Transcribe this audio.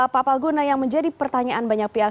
pak palguna yang menjadi pertanyaan banyak pihak